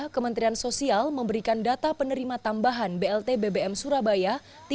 kementerian sosial memberikan data penerima tambahan blt bbm surabaya